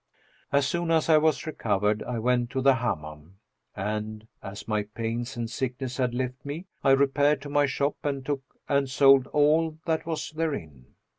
As soon as I was recovered I went to the Hammam and, as my pains and sickness had left me, I repaired to my shop and took and sold all that was therein.